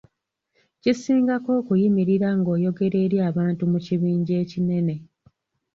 Kisingako okuyimirira nga oyogera eri abantu mu kibinja ekinene.